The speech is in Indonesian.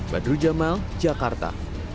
badru jamal jakarta